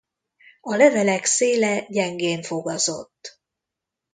A levelek széle gyengén fogazott.